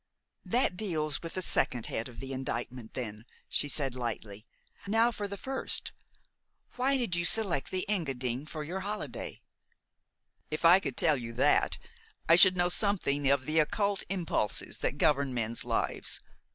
"That deals with the second head of the indictment, then," she said lightly. "Now for the first. Why did you select the Engadine for your holiday?" "If I could tell you that, I should know something of the occult impulses that govern men's lives.